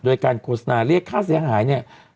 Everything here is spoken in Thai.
โดยการโฆษณาเรียกค่าเสียหายเนี่ย